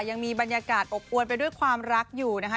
ยังมีบรรยากาศอบอวนไปด้วยความรักอยู่นะคะ